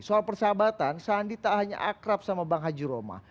soal persahabatan sandi tak hanya akrab sama bang haji roma